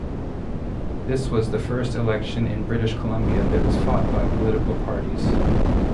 This was the first election in British Columbia that was fought by political parties.